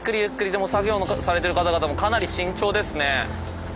でも作業されてる方々もかなり慎重ですね。